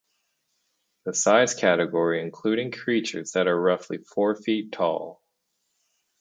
The size category including creatures that are roughly four feet tall.